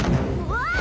わあ！